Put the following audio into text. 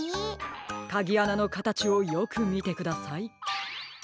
かぎあなのかたちをよくみてください。